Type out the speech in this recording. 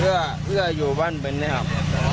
เรืออยู่บ้านเบื้องนะครับ